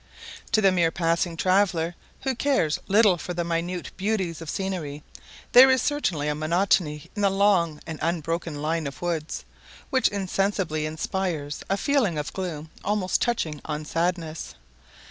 To the mere passing traveller, who cares little for the minute beauties of scenery, there is certainly a monotony in the long and unbroken line of woods, which insensibly inspires a feeling of gloom almost touching on sadness.